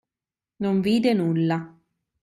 Non vide nulla;